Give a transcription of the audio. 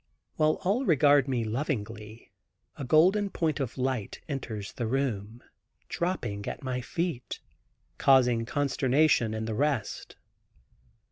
While all regard me, lovingly, a golden point of light enters the room, dropping at my feet, causing consternation in the rest.